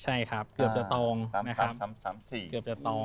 ใช่ครับเกือบจะตองนะครับ